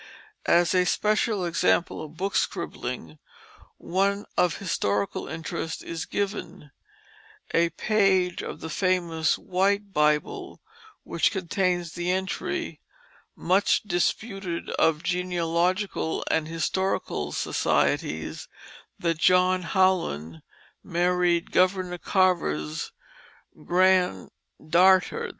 As a special example of book scribbling, one of historical interest is given, a page of the famous "White Bible," which contains the entry, much disputed of genealogical and historical societies, that John Howland married Governor Carver's "grand darter."